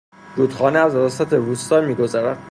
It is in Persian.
رودخانه از وسط روستا میگذرد